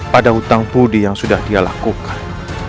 pada hutang budi yang sudah dia lakukan